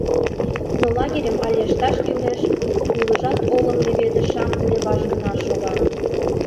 Но лагерьым але ышташ кӱлеш — улыжат олым леведышан леваш гына шога.